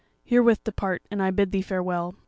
Herewith depart, and I bid thee farewell.'